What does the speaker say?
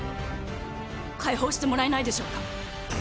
解放してもらえないでしょうか。